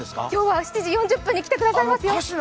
今日は７時４０分に来てくださいますよ。